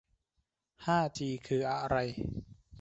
ห้าจีคืออะไร